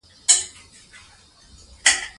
دا بازي لومړی ځل په اوولسمه پېړۍ کښي ولوبول سوه.